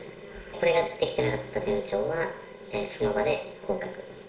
これができていなかった店長は、その場で降格。